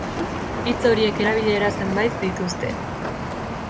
Hitz horiek erabilera zenbait dituzte.